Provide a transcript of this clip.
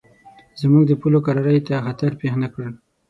زموږ د پولو کرارۍ ته یې خطر پېښ نه کړ.